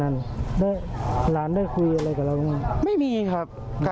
ก็คือทางญาติทุกคนยืนยันได้นะครับ